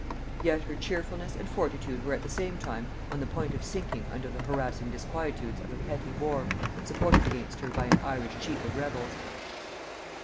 Yet her cheerfulness and fortitude were at the same time on the point of sinking under the harassing disquietudes of a petty war supported against her by an Irish chief of rebels.